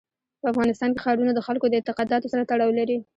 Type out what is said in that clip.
په افغانستان کې ښارونه د خلکو د اعتقاداتو سره تړاو لري.